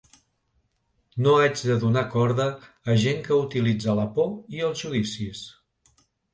No haig de donar corda a gent que utilitza la por i els judicis.